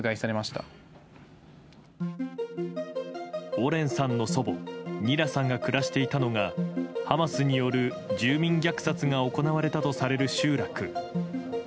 オレンさんの祖母ニラさんが暮らしていたのがハマスによる住民虐殺が行われたとされる集落。